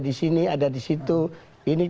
di sini ada di situ ini